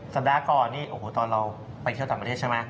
อ๋อเพราะตอนนี้สันดากรตอนเราไปเที่ยวต่างประเทศใช่ไหม